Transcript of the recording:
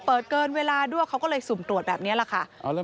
เกินเวลาด้วยเขาก็เลยสุ่มตรวจแบบนี้แหละค่ะ